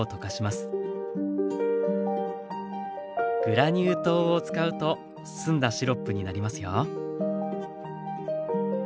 グラニュー糖を使うと澄んだシロップになりますよ。